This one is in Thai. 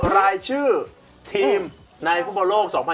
รายชื่อทีมในภูมิโลก๒๐๒๒นะ